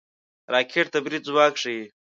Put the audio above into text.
راکټ د برید ځواک ښيي